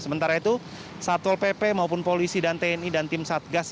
sementara itu satpol pp maupun polisi dan tni dan tim satgas